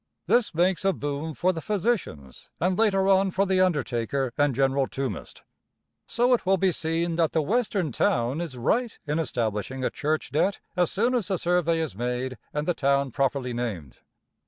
This makes a boom for the physicians and later on for the undertaker and general tombist. So it will be seen that the Western town is right in establishing a church debt as soon as the survey is made and the town properly named.